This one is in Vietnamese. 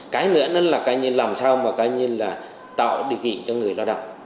cái nữa là làm sao mà tạo điều kiện cho người lao động